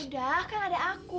udah kan ada aku